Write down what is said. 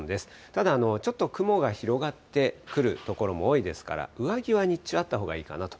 ただ、ちょっと雲が広がってくる所も多いですから、上着は日中、あったほうがいいかなと。